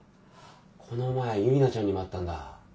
この前ユリナちゃんにも会ったんだ。